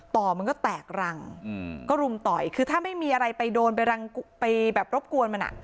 ต่อมันก็แตกรังก็รุมต่อยคือถ้าไม่มีอะไรไปโดนไปรังไปแบบรบกวนมันอ่ะ